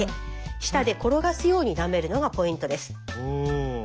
舌で転がすようになめるのがポイントです。